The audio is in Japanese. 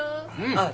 あっ！